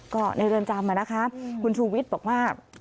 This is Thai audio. ก็ในเรือนจำนะคะคุณชูวิทย์บอกว่า